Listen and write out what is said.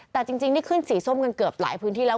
แต่จริงนี่ขึ้นสีส้มกันเกือบหลายพื้นที่แล้ว